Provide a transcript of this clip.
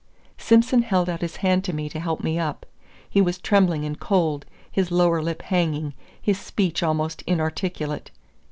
Simson held out his hand to me to help me up. He was trembling and cold, his lower lip hanging, his speech almost inarticulate.